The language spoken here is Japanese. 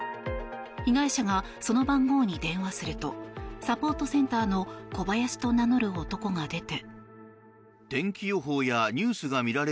被害者がその番号に電話するとサポートセンターのコバヤシと名乗る男が出て。